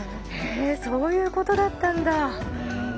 そういうことだったんだ。